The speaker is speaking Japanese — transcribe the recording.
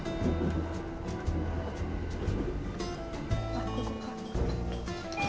あここか。